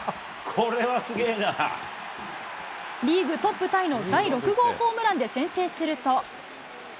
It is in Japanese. リーグトップタイの第６号ホームランで先制すると。